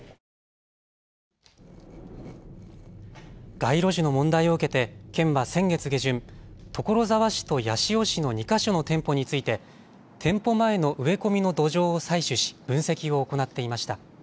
街路樹の問題を受けて県は先月下旬、所沢市と八潮市の２か所の店舗について店舗前の植え込みの土壌を採取し分析を行っていました。